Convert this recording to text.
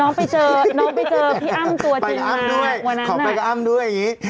น้องไปเจอน้องไปเจอพี่อ้ำตัวพี่อ้ำด้วยขอบพี่อ้ำด้วยอย่างนี้